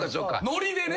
ノリでね。